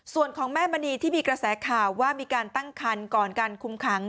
ส่วนของแม่มณีที่มีกระแสข่าวว่ามีการตั้งคันก่อนการคุมขัง